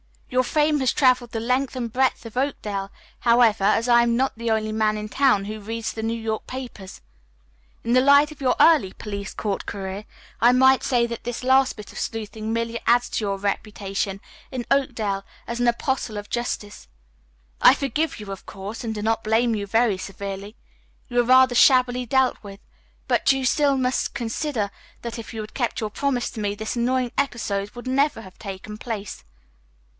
Your fame has traveled the length and breadth of Oakdale, however, as I am not the only man in town who reads the New York papers. In the light of your early police court career I might say that this last bit of sleuthing merely adds to your reputation in Oakdale as an apostle of justice. I forgive you, of course, and do not blame you very severely. You were rather shabbily dealt with, but still you must consider that if you had kept your promise to me this annoying episode would never have taken place.